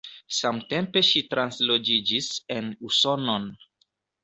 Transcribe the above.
Samtempe ŝi transloĝiĝis en Usonon.